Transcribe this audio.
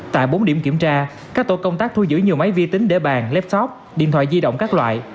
tại bốn điểm kiểm tra các tổ công tác thu giữ nhiều máy vi tính để bàn lapsoft điện thoại di động các loại